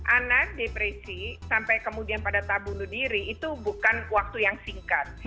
anak depresi sampai kemudian pada tabunuh diri itu bukan waktu yang singkat